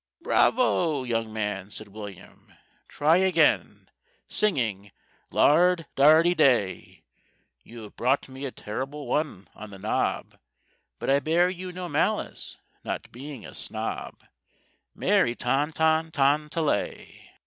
"Bravo, young man!" said William; "try again— Singing Lard dardy day! You have brought me a terrible one on the nob, But I bear you no malice, not being a snob, _Merry ton ton ton ta lay!